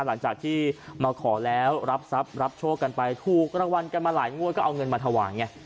หลังจากที่มาขอแล้วรับทรัพย์รับโชคกันไปถูกรางวัลกันมาหลายงวดก็เอาเงินมาถวายไง